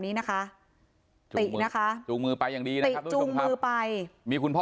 นี้นะคะตินะคะจูงมือไปอย่างดีนะติจูงมือไปมีคุณพ่อ